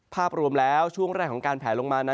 ภาพรวมแล้วช่วงแรกของการแผลลงมานั้น